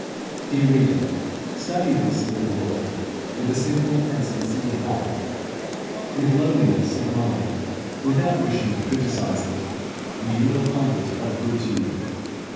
Dear reader, study this little work with a simple and sincere heart, with lowliness of mind, without wishing to criticise it, and you will find it of good to you.